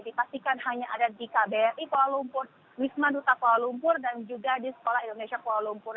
dipastikan hanya ada di kbri kuala lumpur wisma duta kuala lumpur dan juga di sekolah indonesia kuala lumpur